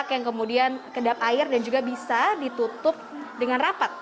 yang kemudian kedap air dan juga bisa ditutup dengan rapat